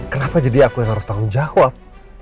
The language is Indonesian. kenapa jadi aku yang harus tanggung jawab